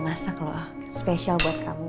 masak loh special buat kamu